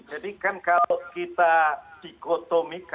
jadi kan kalau kita psikotomikan ya